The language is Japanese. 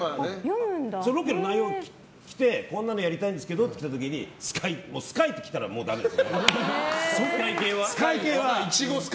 ロケの内容が来てこんなのやりたいんですけどって読んだ時に「スカイ」って来たらスカイ系は。